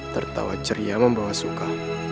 tertawa ceria membawa suka